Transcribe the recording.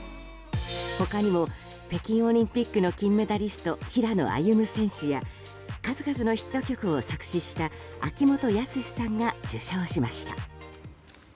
他にも北京オリンピックの金メダリスト、平野歩夢選手や数々のヒット曲を作詞した秋元康さんが受章しました。